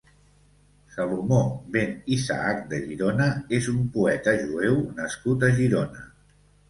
Salomó ben Isaac de Girona és un poeta jueu nascut a Girona.